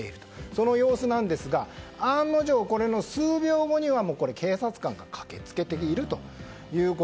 その様子なんですが案の定、この数秒後には警察官が駆けつけていると。